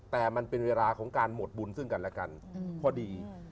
แต่มันเป็นเวลาของการหมดบุญซึ่งกันและกันพอดี